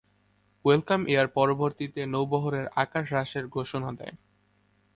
Welcome Air পরবর্তীতে নৌবহরের আকার হ্রাসের ঘোষণা দেয়।